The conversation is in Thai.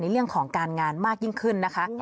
เรื่องของการงานมากยิ่งขึ้นนะคะ